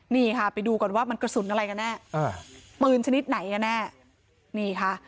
นี่ค่ะไปดูก่อนว่ามันกระสุนอะไรกันแน่อ่าปืนชนิดไหนกันแน่นี่ค่ะ